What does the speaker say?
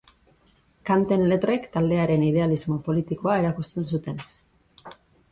Kanten letrek taldearen idealismo politikoa erakusten zuten.